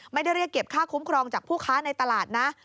ไม่ได้เรียกเก็บค่าคุ้มครองจากผู้ค้าในตลาดนะ